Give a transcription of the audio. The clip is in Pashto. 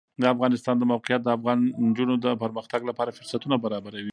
د افغانستان د موقعیت د افغان نجونو د پرمختګ لپاره فرصتونه برابروي.